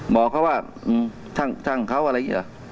บอกเขาว่าช่างเขาอะไรอย่างนี้เหรอ